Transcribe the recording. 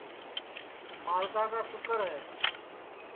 ملکا کا سُکر ہے